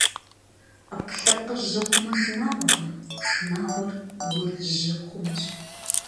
Ӏэпкълъэпкъыр жьы хъумэ шынагъуэкъым, шынагъуэр гур жьы хъумэщ.